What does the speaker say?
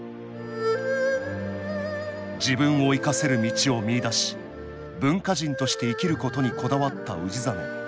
自分を生かせる道を見いだし文化人として生きることにこだわった氏真。